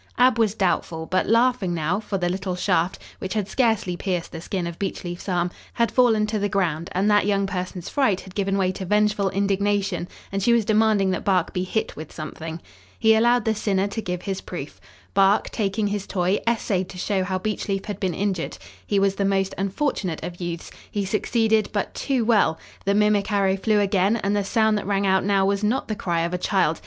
Ab was doubtful but laughing now, for the little shaft, which had scarcely pierced the skin of Beechleaf's arm had fallen to the ground and that young person's fright had given way to vengeful indignation and she was demanding that Bark be hit with something. He allowed the sinner to give his proof. Bark, taking his toy, essayed to show how Beechleaf had been injured. He was the most unfortunate of youths. He succeeded but too well. The mimic arrow flew again and the sound that rang out now was not the cry of a child.